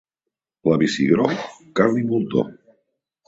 L'avi Cigró, carn i moltó.